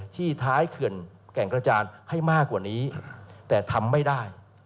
ที่ท้ายเขื่อนแก่งกระจานให้มากกว่านี้แต่ทำไม่ได้